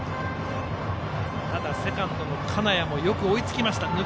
ただ、セカンドの銅屋もよく追いつきました。